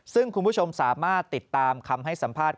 ซึ่งคุณผู้ชมสามารถติดตามคำให้สัมภาษณ์